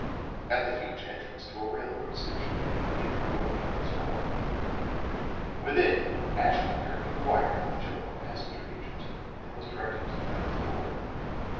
At the huge entrance to a railroad station they drew up once more. Within, Ashton Kirk inquired for the General Passenger Agent and was directed to the ninth floor.